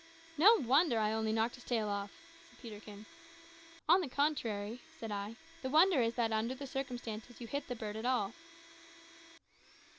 "No wonder I only knocked his tail off," said Peterkin. "On the contrary," said I, "the wonder is that under the circumstances you hit the bird at all."